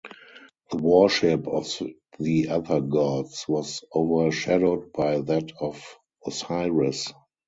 The worship of the other gods was overshadowed by that of Osiris.